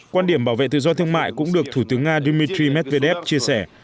quan điểm bảo vệ tự do thương mại cũng được thủ tướng nga dmitry medvedev chia sẻ